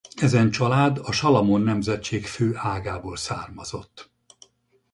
Ezen család a Salamon nemzetség fő ágából származott.